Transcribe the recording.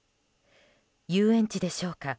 遊園地でしょうか